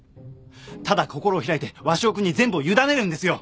ただ心を開いて鷲尾君に全部を委ねるんですよ。